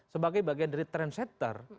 sebagai bagian dari trendsetter